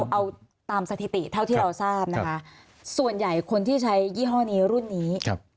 เอาตามสถิติเท่าที่เราทราบนะคะส่วนใหญ่คนที่ใช้ยี่ห้อนี้รุ่นนี้